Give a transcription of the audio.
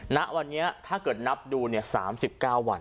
ณวันนี้ถ้าเกิดนับดู๓๙วัน